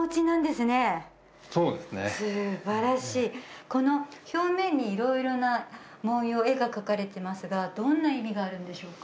すばらしいこの表面に色々な文様絵が描かれてますがどんな意味があるんでしょうか？